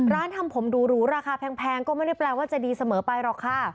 ทำผมหรูราคาแพงก็ไม่ได้แปลว่าจะดีเสมอไปหรอกค่ะ